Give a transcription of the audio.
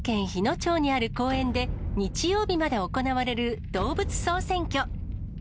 町にある公園で、日曜日まで行われる動物総選挙。